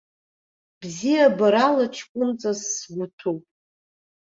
Бзиабарала ҷкәынҵас сгәы ҭәуп.